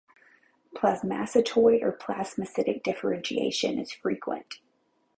Plasmacytoid or plasmacytic differentiation is frequent.